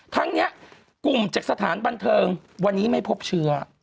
ทั้งนี้กลุ่มจากสถานบันเทิงวันนี้ไม่พบเชื้อ